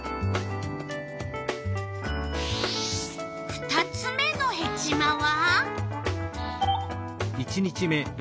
２つ目のヘチマは？